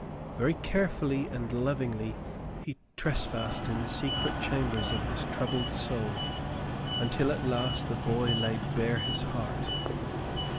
Very carefully and lovingly he trespassed in the secret chambers of this troubled soul, until at last the boy laid bare his heart.